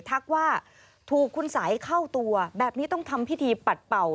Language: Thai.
ทักว่าถูกคุณสัยเข้าตัวแบบนี้ต้องทำพิธีปัดเป่า